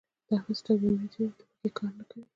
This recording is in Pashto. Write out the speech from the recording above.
د احمد سترګې مړې دي؛ د وږي کار نه کوي.